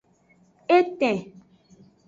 Etin.